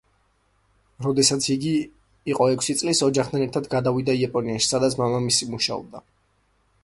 როდესაც იგი იყო ექვსი წლის, ოჯახთან ერთად გადავიდა იაპონიაში, სადაც მამამისი მუშაობდა.